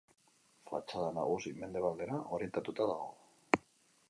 Fatxada nagusia mendebaldera orientatuta dago.